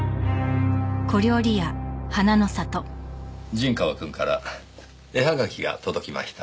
陣川くんから絵はがきが届きました。